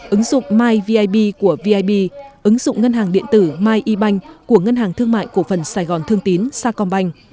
ứng dụng myvip của vib ứng dụng ngân hàng điện tử myebank của ngân hàng thương mại cổ phần sài gòn thương tín sacombank